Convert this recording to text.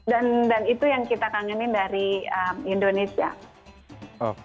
dan itu yang kita kangenin dari indonesia